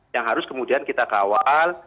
yang harus kemudian kita kawal